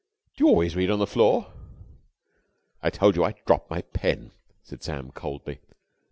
"Do you always read on the floor." "I told you I dropped my pen," said Sam coldly.